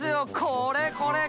これこれ！